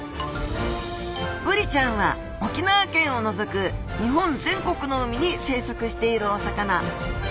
ブリちゃんは沖縄県を除く日本全国の海に生息しているお魚。